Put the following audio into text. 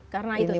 karena itu tadi